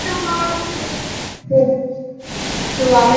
台湾萨盲蝽为盲蝽科萨盲蝽属下的一个种。